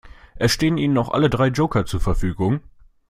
Es stehen Ihnen noch alle drei Joker zur Verfügung.